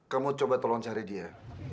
kamu coba tolong cari dia